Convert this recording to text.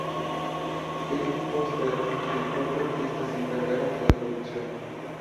David Foster y el propio artista se encargaron de la producción.